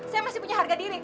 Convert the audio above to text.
saya masih punya harga diri